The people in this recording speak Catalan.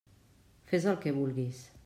Fes el que vulguis.